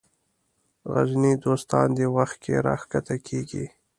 غرني دوستان دې وخت کې راکښته کېږي.